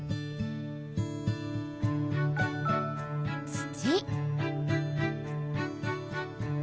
土。